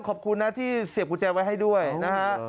ขอบคุณนะที่เสียบกุญแจไว้ให้ด้วยนะฮะ